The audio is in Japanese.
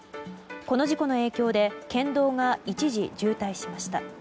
この事故の影響で県道が一時、渋滞しました。